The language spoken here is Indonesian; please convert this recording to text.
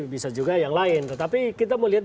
bisa juga yang lain tetapi kita melihat